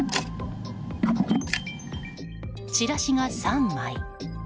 チラシが３枚。